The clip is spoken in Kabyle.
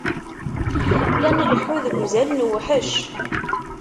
La nleḥḥu deg uzal, newḥec.